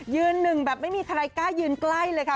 หนึ่งแบบไม่มีใครกล้ายืนใกล้เลยค่ะ